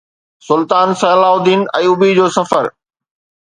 سلطان صلاح الدين ايوبي جو سفر